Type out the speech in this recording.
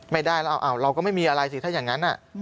ไม่ได้แล้วเราก็ไม่มีอะไรสิถ้าอย่างนั้น